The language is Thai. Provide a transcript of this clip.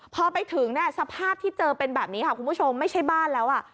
พอไปถึงเนี่ยสภาพที่เจอเป็นแบบนี้ค่ะคุณผู้ชมไม่ใช่บ้านแล้วอ่ะ